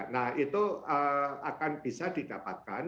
nah itu akan bisa didapatkan